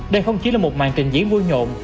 đây không chỉ là một màn trình dĩ vui nhộn